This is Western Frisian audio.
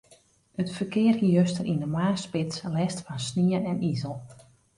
It ferkear hie juster yn de moarnsspits lêst fan snie en izel.